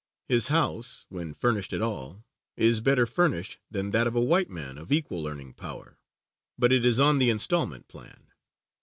His house, when furnished at all, is better furnished that that of a white man of equal earning power, but it is on the installment plan.